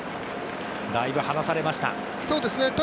だいぶ離されました。